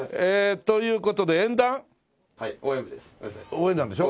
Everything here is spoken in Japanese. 応援団でしょ？